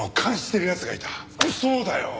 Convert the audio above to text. そうだよ！